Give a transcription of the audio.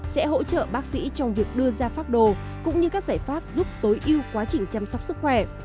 sẽ hỗ trợ bác sĩ trong việc đưa ra pháp đồ cũng như các giải pháp giúp tối ưu quá trình chăm sóc sức khỏe